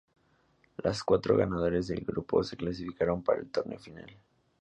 Las cuatro ganadores del grupo se clasificaron para el torneo final.